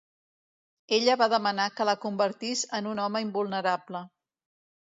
Ella va demanar que la convertís en un home invulnerable.